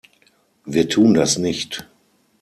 Wir tun das nicht!